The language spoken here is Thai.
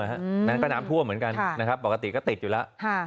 หมายถึงนั้นก็น้ำทั่วเหมือนกันปกติก็ติดอยู่แล้ว